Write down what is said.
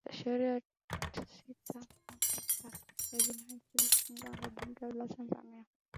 sheria tisini na sita za makosa ya jinai zilitungwa na bunge la tanzania